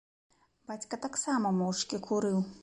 Бацька таксама моўчкі курыў.